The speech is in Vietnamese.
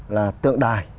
là tượng đài